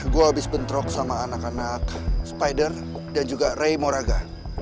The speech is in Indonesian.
gue habis bentrok sama anak anak spider dan juga ray moraga